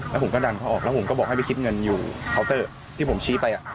แล้วผมก็ดันเขาออกแล้วผมก็บอกให้ไปคิดเงินอยู่เคาน์เตอร์ที่ผมชี้ไป